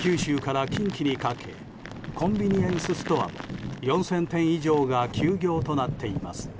九州から近畿にかけコンビニエンスストアも４０００店以上が休業となっています。